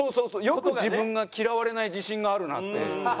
よく自分が嫌われない自信があるなって。